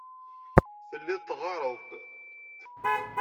Telliḍ teɣɣareḍ-d.